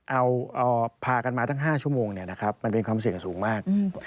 เอาพากันมาตั้ง๕ชั่วโมงมันเป็นความเสี่ยงสูงมาก